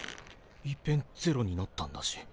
いっぺんゼロになったんだし。